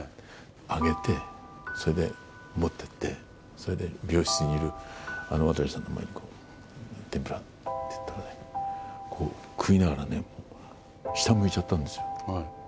揚げて、それで持ってって、それで病室にいる渡さんの前にこう、天ぷらって言ったらね、食いながらね、下向いちゃったんですよ。